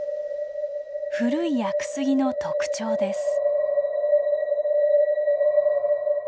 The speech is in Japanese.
古い屋久杉の特徴です。